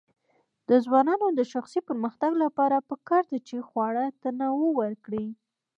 د ځوانانو د شخصي پرمختګ لپاره پکار ده چې خواړه تنوع ورکړي.